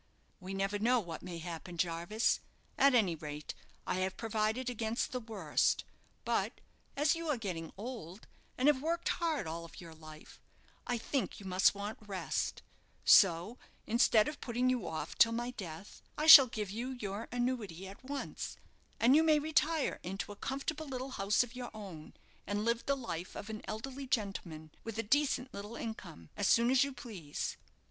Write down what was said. "We never know what may happen, Jarvis. At any rate, I have provided against the worst. But as you are getting old, and have worked hard all your life, I think you must want rest; so, instead of putting you off till my death, I shall give you your annuity at once, and you may retire into a comfortable little house of your own, and live the life of an elderly gentleman, with a decent little income, as soon as you please."